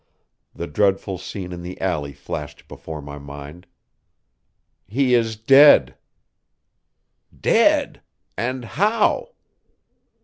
The dreadful scene in the alley flashed before my mind. "He is dead." "Dead! And how?"